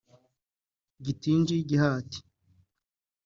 Githinji Gihati